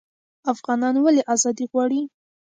افغانان ولې ازادي غواړي؟